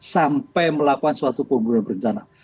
sampai melakukan suatu pembunuhan berencana